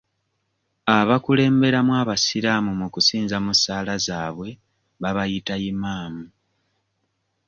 Abakulemberamu abasiraamu mu kusinza mu ssaala zaabwe babayita yimaamu.